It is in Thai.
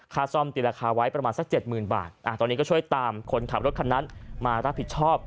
ซ่อมตีราคาไว้ประมาณสัก๗๐๐๐บาทตอนนี้ก็ช่วยตามคนขับรถคันนั้นมารับผิดชอบ